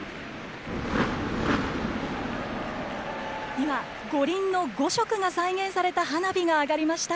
今、五輪の５色が再現された花火が上がりました。